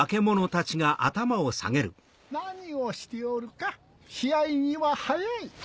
何をしておるか試合には早い。